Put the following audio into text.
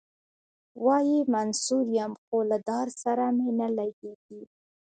وايي منصور یم خو له دار سره مي نه لګیږي.